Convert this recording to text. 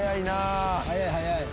速い速い。